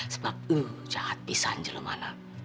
sebab jahat pisah njelom anak